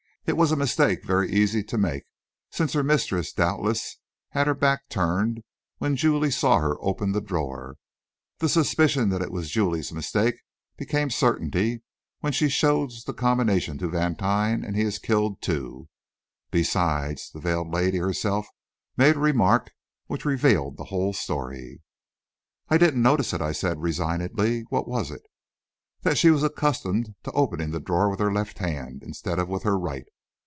It was a mistake very easy to make, since her mistress doubtless had her back turned when Julie saw her open the drawer. The suspicion that it was Julie's mistake becomes certainty when she shows the combination to Vantine, and he is killed, too. Besides, the veiled lady herself made a remark which revealed the whole story." "I didn't notice it," I said, resignedly. "What was it?" "That she was accustomed to opening the drawer with her left hand, instead of with her right.